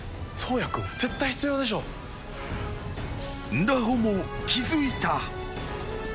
［ンダホも気付いた］